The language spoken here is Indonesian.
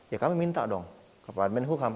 ya kami minta dong kepadamu menkumham